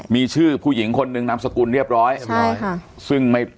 มีชื่อผู้หญิงคนนึงนามสกุลเรียบร้อยใช่ค่ะซึ่งไม่